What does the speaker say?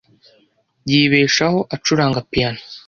Yibeshaho acuranga piyano.